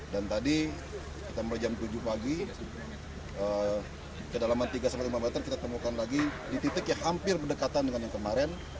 tadi kita mulai jam tujuh pagi kedalaman tiga sampai lima meter kita temukan lagi di titik yang hampir berdekatan dengan yang kemarin